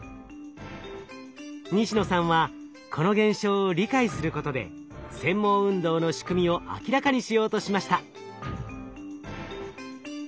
西野さんはこの現象を理解することで繊毛運動の仕組みを明らかにしようとしました。